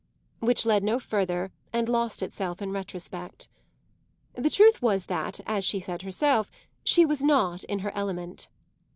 which led no further and lost itself in retrospect. The truth was that, as she said herself, she was not in her element.